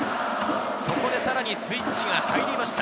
そこでさらにスイッチが入りました。